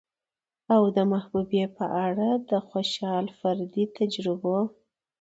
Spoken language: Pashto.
او د محبوبې په اړه د خوشال فردي تجربو